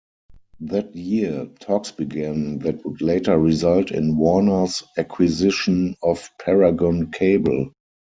That year, talks began that would later result in Warner's acquisition of Paragon Cable.